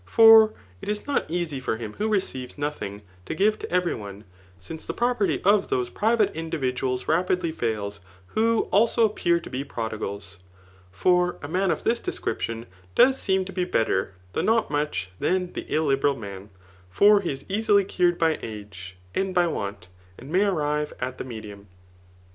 For it is not easy for him who receives no thing, to give to every one; since the property of those porivate individuals rapidly fails, who also ^ipetr to be prodigals. For a man of this description does seem to be b^er, though not much, than the illiberal man ; for iie is easily cured by age^ and by want, and may arrive at the medium.